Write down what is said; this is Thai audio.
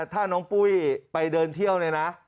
ถ้าน้องปุ้ยไปเดินเที่ยวเนี่ยนะ